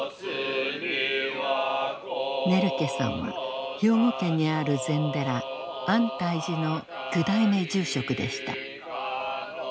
ネルケさんは兵庫県にある禅寺安泰寺の９代目住職でした。